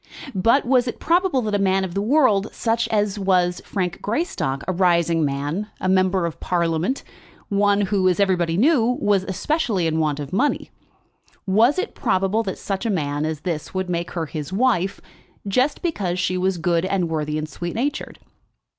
But was it probable that a man of the world, such as was Frank Greystock, a rising man, a member of Parliament, one who, as everybody knew, was especially in want of money, was it probable that such a man as this would make her his wife just because she was good, and worthy, and sweet natured?